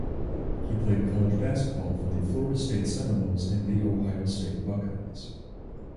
He played college basketball for the Florida State Seminoles and the Ohio State Buckeyes.